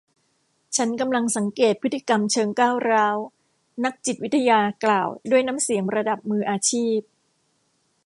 ฉันกำลังสังเกตพฤติกรรมเชิงก้าวร้าวนักจิตวิทยากล่าวด้วยน้ำเสียงระดับมืออาชีพ